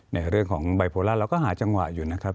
ในเรื่องของไบโพล่าเราก็หาจังหวะอยู่นะครับ